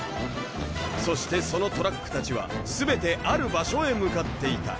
そしてそのトラックたちはすべてある場所へ向かっていた。